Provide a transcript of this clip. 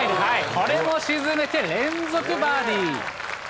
これも沈めて連続バーディー。